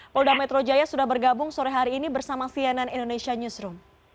polda metro jaya sudah bergabung sore hari ini bersama cnn indonesia newsroom